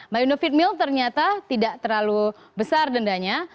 malindo feed mill ternyata tidak terlalu besar dendanya